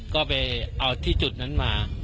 ก็ไปเอาที่จุดนั้นมา